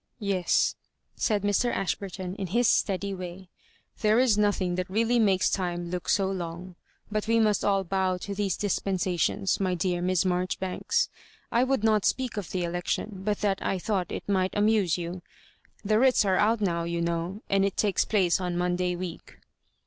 *»Yes," said Mj. Ashburton, in his steady way. " There is nothing that really ma^es time look so long; but we must all bow to these cBspensations, my dear Miss Marjoribanks. I would not speak of the election, but that I thought it might amuse you. The writs are out now, you know, and it takes place on Monday week."